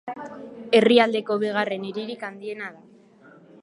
Herrialdeko bigarren hiririk handiena da.